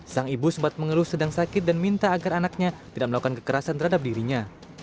sang ibu sempat mengeluh sedang sakit dan minta agar anaknya tidak melakukan kekerasan terhadap dirinya